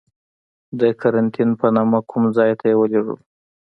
د قرنتین په نامه کوم ځای ته یې ولیږلو.